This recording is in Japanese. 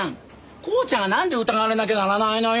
コウちゃんがなんで疑われなきゃならないのよ！